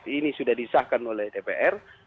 ini sudah disahkan oleh dpr